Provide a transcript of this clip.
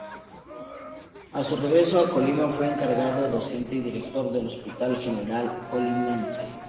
A su regreso a Colima, fue encargado docente y director del Hospital General Colimense.